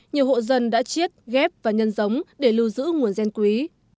nhiều hộ dân đã chiết ghép và nhân giống để lưu giữ nguồn gen quý